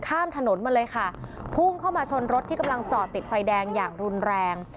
ข้ามถนนมาเลยค่ะพุ่งเข้ามาชนรถที่กำลังจอดติดไฟแดงอย่างรุนแรง